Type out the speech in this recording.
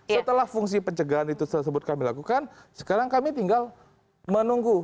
setelah fungsi pencegahan itu tersebut kami lakukan sekarang kami tinggal menunggu